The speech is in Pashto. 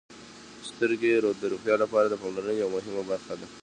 • سترګې د روغتیا لپاره د پاملرنې یوه مهمه برخه ده.